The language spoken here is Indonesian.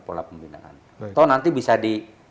pola pembinaan atau nanti bisa di